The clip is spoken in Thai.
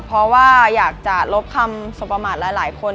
เพราะว่าอยากจะลบคำสบประมาทหลายคน